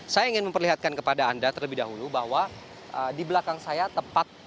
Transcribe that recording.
saya ingin memperlihatkan kepada anda terlebih dahulu bahwa di belakang saya tepat